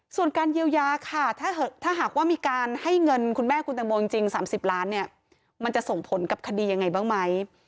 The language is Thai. ส่วนการเยียวยาค่ะถ้าหากว่ามีการให้เงินคุณแม่คุณตังโมจริง๓๐ล้านเนี่ยมันจะส่งผลกับคดียังไงบ้างไหม